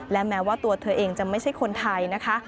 และแม้ว่าตัวเธอเองจะไม่ใช่คนไทยนะคะ